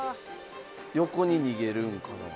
横に逃げるんかな？